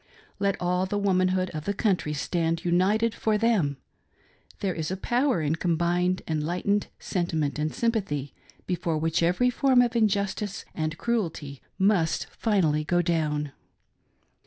Let all the womanhood of the country stand united for them. There is a power in com bined enlightened sentiment and sympathy before which every form of injustice and cruelty must finally go down.